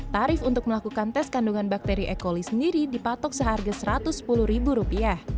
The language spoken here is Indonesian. tarif untuk melakukan tes kandungan bakteri e coli sendiri dipatok seharga rp satu ratus sepuluh